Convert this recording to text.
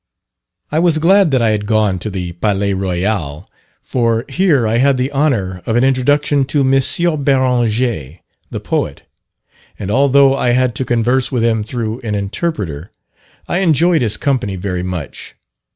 I was glad that I had gone to the Palais Royal, for here I had the honour of an introduction to M. Beranger, the poet; and although I had to converse with him through an interpreter, I enjoyed his company very much.